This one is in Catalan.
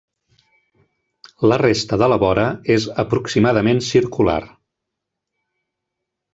La resta de la vora és aproximadament circular.